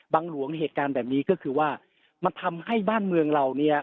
หลวงเหตุการณ์แบบนี้ก็คือว่ามันทำให้บ้านเมืองเราเนี่ย